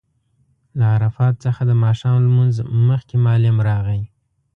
له عرفات څخه د ماښام لمونځ مخکې معلم راغی.